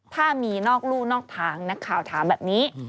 ถ้ามีนอกลู่นอกทางนักข่าวถามแบบนี้